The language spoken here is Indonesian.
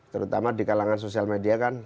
terutama di kalangan sosial media kan